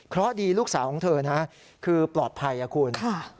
เพราะดีลูกสาวของเธอนะคือปลอดภัยครับคุณ